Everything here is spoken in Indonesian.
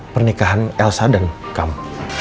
pernikahan elsa dan kamu